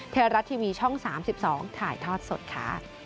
ไทยรัฐทีวีช่อง๓๒ถ่ายทอดสดค่ะ